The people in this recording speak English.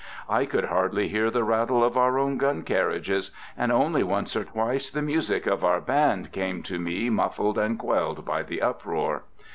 I could hardly hear the rattle of our own gun carriages, and only once or twice the music of our band came to me muffled and quelled by the uproar.